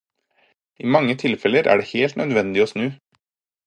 I mange tilfeller er det helt nødvendig å snu.